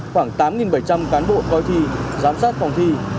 khoảng tám bảy trăm linh cán bộ coi thi giám sát phòng thi